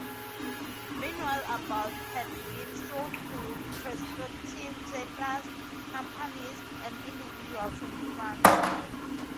Meanwhile about had been sold to prospective settlers, companies and individuals in France.